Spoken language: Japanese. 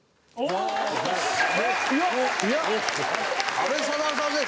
阿部サダヲさんです！